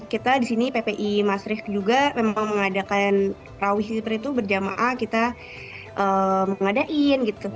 kita di sini ppi masrif juga memang mengadakan terawih berjamaah kita mengadain gitu